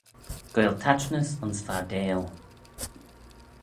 Goaill taitnys ayns fardail.